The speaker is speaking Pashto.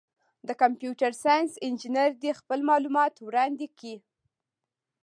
د کمپیوټر ساینس انجینر دي خپل معلومات وړاندي کي.